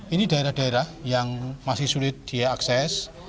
ini daerah daerah yang masih sulit dia akses